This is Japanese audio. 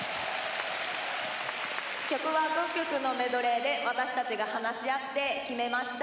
曲は５曲のメドレーで私たちが話し合って決めました。